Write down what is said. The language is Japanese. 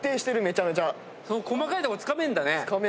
細かいとこつかめるんだね。